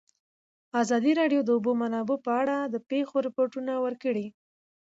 ازادي راډیو د د اوبو منابع په اړه د پېښو رپوټونه ورکړي.